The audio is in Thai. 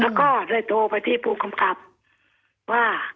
แล้วก็ได้โทรไปที่ที่ภูมิคำกรับว่า